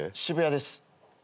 渋谷です。